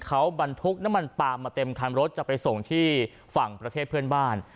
เขาบรรทุกน้ำมันปลามมาเต็มคันรถจะไปส่งที่ฝั่งประเทศเพื่อนบ้าน